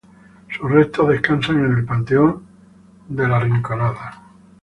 Sus restos descansan en el panteón del La Rinconada.